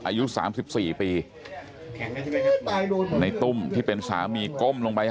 อายุ๓๔ปีในตุ้มที่เป็นสามีก้มลงไป